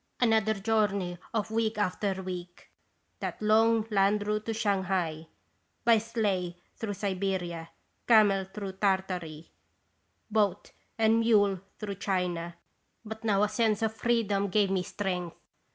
Another journey of week after week, that long land route to Shanghai, by sleigh through Siberia, camel through Tartary, boat and mule through China; but now a sense of freedom gave me strength.